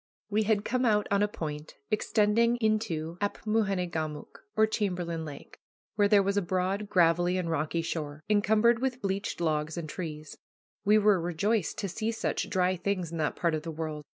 We had come out on a point extending into Apmoojenegamook, or Chamberlain Lake, where there was a broad, gravelly, and rocky shore, encumbered with bleached logs and trees. We were rejoiced to see such dry things in that part of the world.